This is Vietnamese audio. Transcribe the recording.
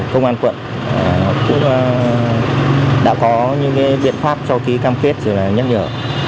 công an quận cũng đã có những biện pháp cho ký cam kết rồi là nhắc nhở